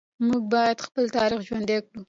موږ باید خپل تاریخ ژوندي کړو.